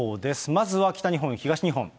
まずは北日本、東日本。